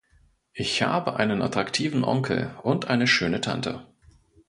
Ich habe einen attraktiven Onkel und eine schöne Tante.